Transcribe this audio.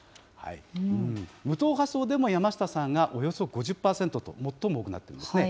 無党派層でも山下さんがおよそ５０％と、最も多くなっているんですね。